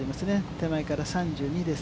手前から３２です。